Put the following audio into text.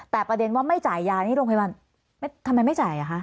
แต่ประเด็นว่าไม่จ่ายยานี่โรงพยาบาลทำไมไม่จ่ายอ่ะคะ